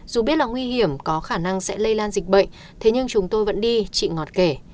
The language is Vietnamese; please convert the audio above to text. kiểm có khả năng sẽ lây lan dịch bệnh thế nhưng chúng tôi vẫn đi chị ngọt kể